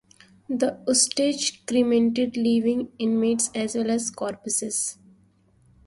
The Ustashe cremated living inmates as well as corpses.